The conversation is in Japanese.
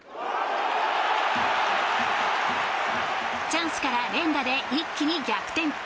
チャンスから連打で一気に逆転。